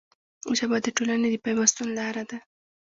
ژبه د ټولنې د پیوستون لاره ده